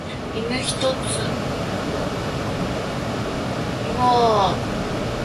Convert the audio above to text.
いぬーいつになれば俺は這い上がれるだろういぬー俺はうまく笑えているか